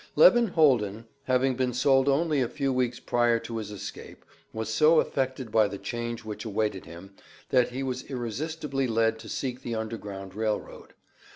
Levin Holden, having been sold only a few weeks prior to his escape, was so affected by the change which awaited him, that he was irresistibly led to seek the Underground Rail Road.